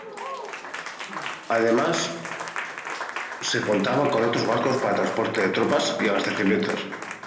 Además se contaba con otros barcos para transporte de tropas y abastecimientos.